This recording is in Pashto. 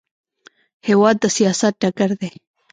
هېواد د سیاست ډګر دی.